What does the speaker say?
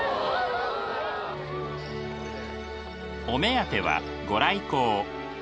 お目当ては御来光。